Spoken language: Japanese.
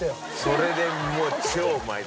それでもう超うまいと思う。